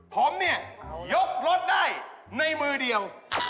ผมเนี่ยยกรถได้ในมือเดียว